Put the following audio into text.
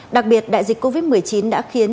đặc biệt đại dịch covid một mươi chín đã khiến